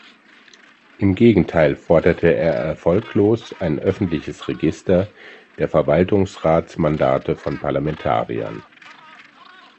Im Gegenteil forderte er erfolglos ein öffentliches Register der Verwaltungsratsmandate von Parlamentariern.